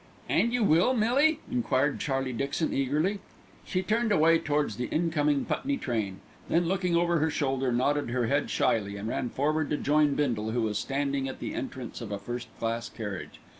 "And you will, Millie?" enquired Charlie Dixon eagerly. She turned away towards the incoming Putney train, then looking over her shoulder nodded her head shyly, and ran forward to join Bindle, who was standing at the entrance of a first class carriage.